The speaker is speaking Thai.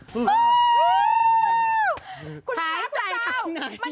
หายใจทั้งไหน